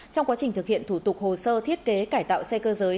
trong quá trình thực hiện thủ tục hồ sơ thiết kế cải tạo xe cơ giới